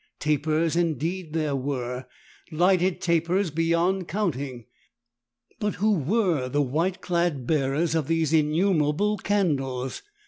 Tapers indeed there were, lighted tapers beyond counting. But who were the white clad bearers of these innumerable candles?